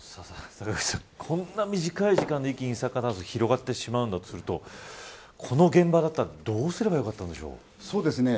こんな短い時間で一気に広がってしまうとするとこの現場だったら、どうすればよかったんでしょうか。